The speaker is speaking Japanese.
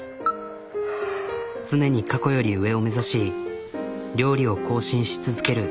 常に過去より上を目指し料理を更新し続ける。